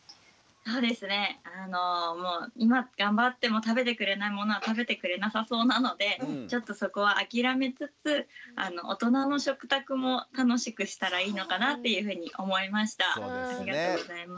そうですね今頑張っても食べてくれないものは食べてくれなさそうなのでちょっとそこは諦めつつ大人の食卓も楽しくしたらいいのかなっていうふうに思いました。